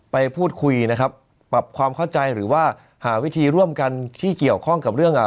ไปพูดคุยนะครับปรับความเข้าใจหรือว่าหาวิธีร่วมกันที่เกี่ยวข้องกับเรื่องอ่า